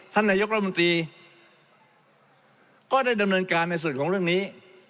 ท่านนายกรัฐมนตรีก็ได้ดำเนินการในส่วนของเรื่องนี้